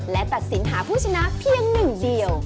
และตัดสินหาผู้ชนะเพียงหนึ่งเดียว